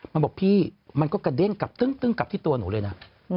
มันบอกพี่มันก็กระเด้งกลับตึ้งกลับที่ตัวหนูเลยนะ